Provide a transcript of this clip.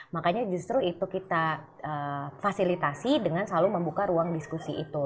makanya justru itu kita fasilitasi dengan selalu membuka ruang diskusi itu